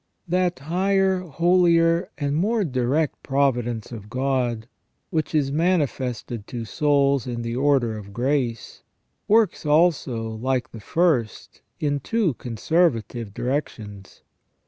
That higher, holier, and more direct providence of God, which is manifested to souls in the order of grace, works also, like the first, in two conservative directions.